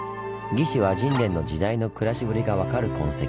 「魏志倭人伝」の時代の暮らしぶりが分かる痕跡。